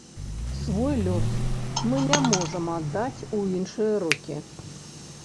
Свой лёс мы не можам аддаць у іншыя рукі.